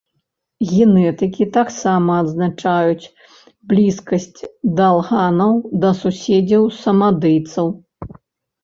Генетыкі таксама адзначаюць блізкасць далганаў да суседзяў-самадыйцаў.